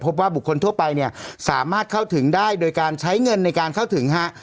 พบว่าบุคคลทั่วไปเนี่ยสามารถเข้าถึงได้โดยการใช้เงินในการเข้าถึงฮะ